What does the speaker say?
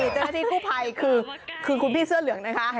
เจ้าหน้าที่กู้ภัยคือคุณพี่เสื้อเหลืองนะคะ